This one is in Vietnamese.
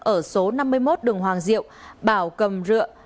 ở số năm mươi một đường hoàng diệu bảo cầm rượu